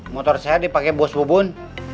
motor saya dipake bos bubun